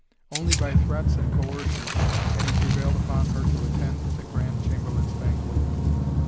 Only by threats and coercion had he prevailed upon her to attend the Grand Chamberlain's banquet.